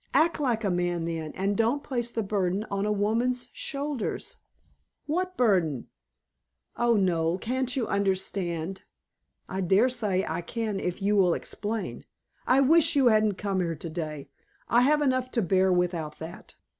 Act like a man, then, and don't place the burden on a woman's shoulders." "What burden?" "Oh, Noel, can't you understand?" "I daresay I can if you will explain. I wish you hadn't come here to day. I have enough to bear without that."